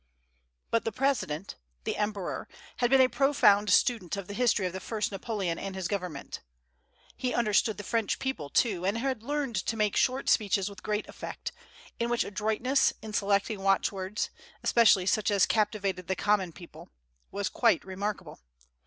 But the President the Emperor had been a profound student of the history of the first Napoleon and his government. He understood the French people, too, and had learned to make short speeches with great effect, in which adroitness in selecting watchwords especially such as captivated the common people was quite remarkable.